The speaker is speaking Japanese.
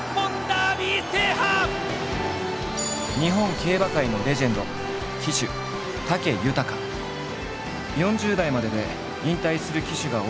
日本競馬界のレジェンド４０代までで引退する騎手が多い競馬の世界。